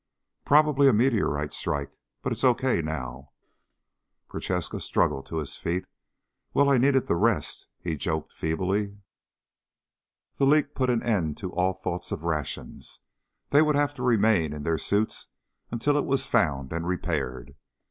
"Probably a meteorite strike. But it's okay ... now." Prochaska struggled to his feet "Well, I needed the rest," he joked feebly. The leak put an end to all thoughts of rations. They would have to remain in their suits until it was found and repaired.